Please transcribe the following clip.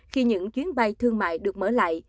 khi những chuyến bay thương mại được mở lại